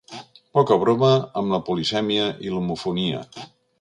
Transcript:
Poca broma amb la polisèmia i l'homofonia.